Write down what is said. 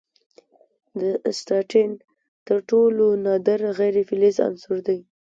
د اسټاټین تر ټولو نادر غیر فلزي عنصر دی.